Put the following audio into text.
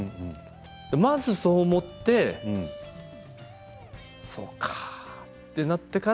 まず、そう思ってそうかあってなってから